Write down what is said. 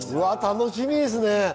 楽しみですね。